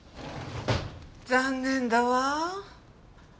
残念だわ。